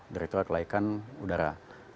direkturat laihkan udara